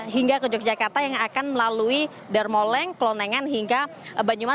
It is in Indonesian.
hingga ke yogyakarta yang akan melalui dermoleng kelonengan banyumas hingga yogyakarta